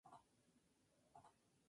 Jugó pocos partidos y los perdió todos.